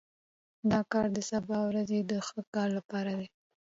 دا کار د سبا ورځې د ښه کار لپاره دی